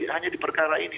hanya di perkara ini